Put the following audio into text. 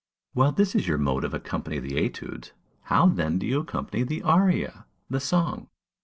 While this is your mode of accompanying the études, how then do you accompany the aria, the song?